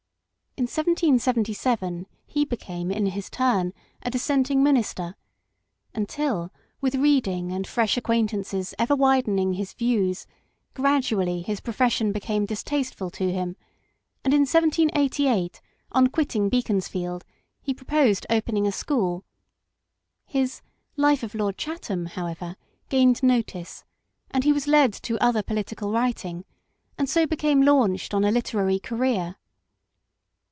In 1777 he became, in his turn, a dissenting minister ; until, with reading and fresh acquain tances ever widening his views, gradually his profession became distasteful to him, and in 1788, on quitting Beaconsh'eld, he proposed opening a school. His Life of Lord Chatham, however, gained notice, and he was led to other political writing, and so became launched on a literary career.